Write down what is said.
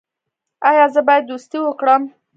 ایا زه باید دوستي وکړم؟